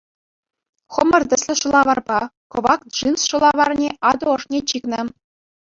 Хӑмӑр тӗслӗ шӑлаварпа, кӑвак джинс шӑлаварне атӑ ӑшне чикнӗ.